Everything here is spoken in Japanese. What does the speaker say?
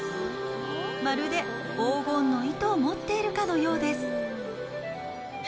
まるで黄金の糸を持っているかのようです。